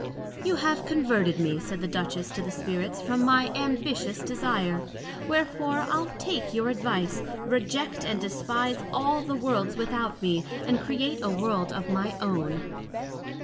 You have converted me, said the Duchess to the Spirits, from my ambitious desire; wherefore, I'le take your advice, reject and despise all the Worlds without me, and create a World of my own.